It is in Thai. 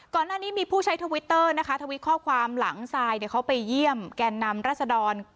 ก่อนหน้านี้มีผู้ใช้ทวิตเตอร์นะคะทวิตข้อความหลังทรายเขาไปเยี่ยมแก่นำรัศดร